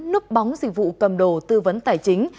núp bóng dịch vụ cầm đồ tư vấn tài chính